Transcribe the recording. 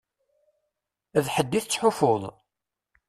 D ḥedd i tettḥufuḍ?